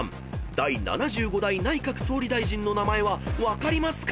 第７５代内閣総理大臣の名前は分かりますか？